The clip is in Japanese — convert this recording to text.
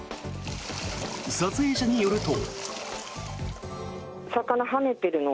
撮影者によると。